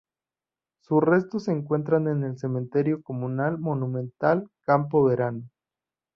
Sus restos se encuentran en el cementerio comunal monumental Campo Verano.